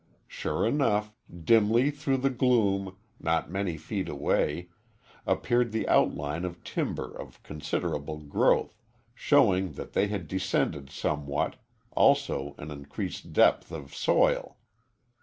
Sure enough, dimly through the gloom, not many feet away, appeared the outline of timber of considerable growth, showing that they had descended somewhat, also an increased depth of soil.